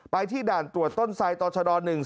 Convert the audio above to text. ไปที่ด่าตรวจต้นใสตตช๑๓๗